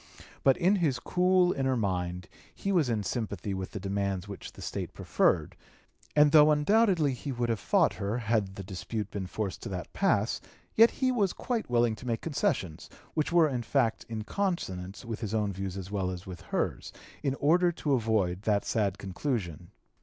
But in his cool inner mind he was in sympathy with the demands which that State preferred, and though undoubtedly he would have fought her, had the dispute been forced to that pass, yet he was quite willing to make concessions, which were in fact in consonance with his own views as well as with hers, in order to avoid that sad conclusion.